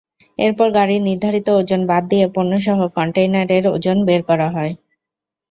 এরপর গাড়ির নির্ধারিত ওজন বাদ দিয়ে পণ্যসহ কনটেইনারের ওজন বের করা হয়।